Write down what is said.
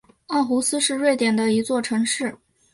奥胡斯是瑞典的一座城市。